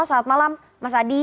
selamat malam mas adi